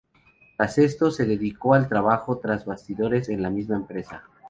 Tras esto, se dedicó al trabajo tras bastidores en la misma empresa.